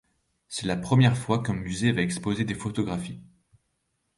C'est la première fois qu'un musée va exposer des photographies.